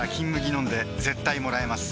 飲んで絶対もらえます